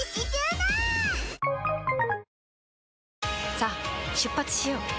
さあ出発しよう。